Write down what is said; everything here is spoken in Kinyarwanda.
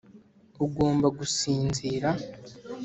ugomba gusinzira.